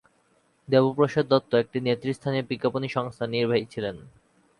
দেব প্রসাদ দত্ত, একটি নেতৃস্থানীয় বিজ্ঞাপনী সংস্থার নির্বাহী ছিলেন।